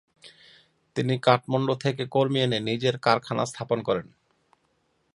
তিনি কাঠমান্ডু থেকে কর্মী এনে নিজের কারখানা স্থাপন করেন।